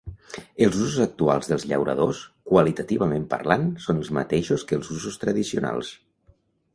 Els usos actuals dels llauradors, qualitativament parlant, són els mateixos que els usos tradicionals.